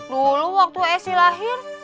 dulu waktu esy lahir